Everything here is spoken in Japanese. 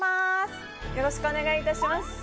よろしくお願いします